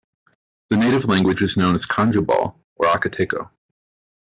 The native language is known as Kanjobal or akateco.